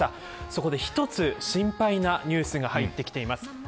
そこで一つ、心配なニュースが入ってきています。